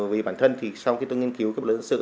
vì bản thân thì sau khi tôi nghiên cứu các luật dân sự